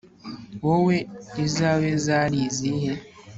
wowe izawe zari izihe